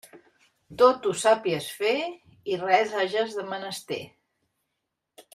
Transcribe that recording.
Tot ho sàpies fer i res hages de menester.